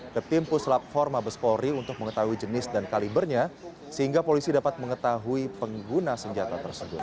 ke tim puslap forma bespori untuk mengetahui jenis dan kalibernya sehingga polisi dapat mengetahui pengguna senjata tersebut